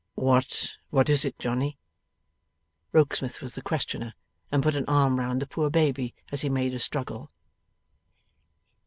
'What is it, Johnny?' Rokesmith was the questioner, and put an arm round the poor baby as he made a struggle.